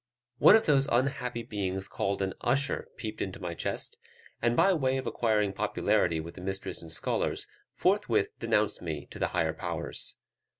One of those unhappy beings called an usher peeped into my chest, and by way of acquiring popularity with the mistress and scholars, forthwith denounced me to the higher powers.